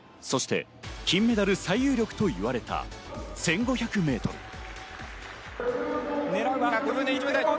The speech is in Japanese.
そして金メダル最有力と言われた１５００メートル。